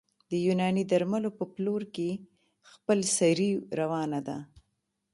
د یوناني درملو په پلور کې خپلسري روانه ده